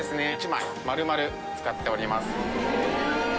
１枚丸々使っております。